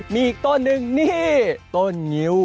มีอีกต้นหนึ่งนี่ต้นงิ้ว